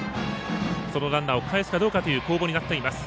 そのランナーをかえすかどうかという攻防になっています。